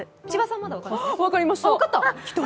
あ、分かりました。